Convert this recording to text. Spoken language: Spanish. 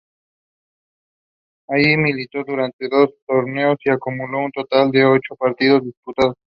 Allí militó durante dos torneos y acumuló un total de ocho partidos disputados.